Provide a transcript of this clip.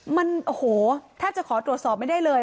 มันโอ้โหแทบจะขอตรวจสอบไม่ได้เลย